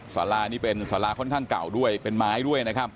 สารานี่เป็นสาราค่อนข้างเก่าด้วยเป็นไม้ด้วยนะครับ